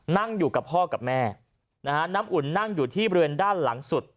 นั่งอยู่กับพ่อกับแม่นะฮะน้ำอุ่นนั่งอยู่ที่บริเวณด้านหลังสุด